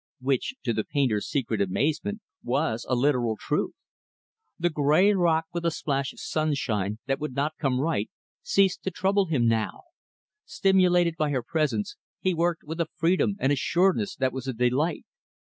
Which to the painter's secret amazement was a literal truth. The gray rock with the splash of sunshine that would not come right, ceased to trouble him, now. Stimulated by her presence, he worked with a freedom and a sureness that was a delight.